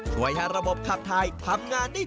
ช่วยให้ระบบขับทายทำงานได้ดีขึ้น